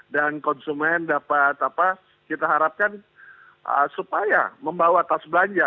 dan konsumen dapat kita harapkan supaya membawa tas belanja